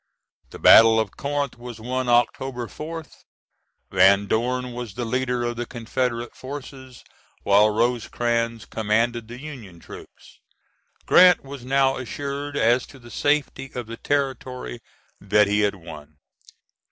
The battle of Corinth was won October 4th; Van Dorn was the leader of the Confederate forces, while Rosecrans commanded the Union troops. Grant was now assured as to the safety of the territory that he had won.